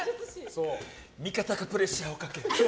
味方がプレッシャーをかける。